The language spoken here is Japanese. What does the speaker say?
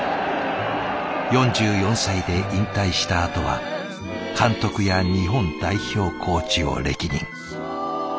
４４歳で引退したあとは監督や日本代表コーチを歴任。